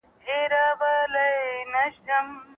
غير مسلمانان له پخوا راهيسې دلته خوندي اوسيدلي دي.